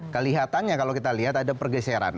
kelihatannya kalau kita lihat ada pergeseran